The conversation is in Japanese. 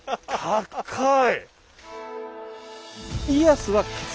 高い！